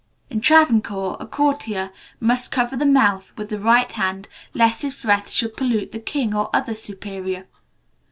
In Travancore, a courtier must cover the mouth with the right hand, lest his breath should pollute the king or other superior.